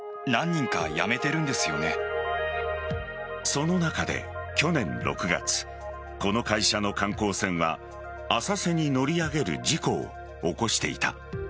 その中で去年６月この会社の観光船は浅瀬に乗り上げる事故を起こしていた。